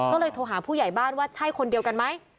ก็เลยโทรหาผู้ใหญ่บ้านว่าใช่คนเดียวกันไหม